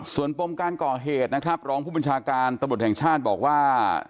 ส่วนปมการก่อเหตุนะครับรองผู้บัญชาการตำรวจแห่งชาติบอกว่า